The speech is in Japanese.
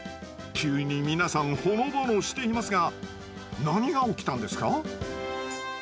急に皆さんほのぼのしていますが何が起きたんですか？